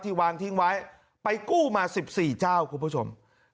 วางทิ้งไว้ไปกู้มา๑๔เจ้าคุณผู้ชม